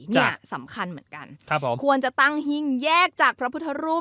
เนี่ยสำคัญเหมือนกันครับผมควรจะตั้งหิ้งแยกจากพระพุทธรูป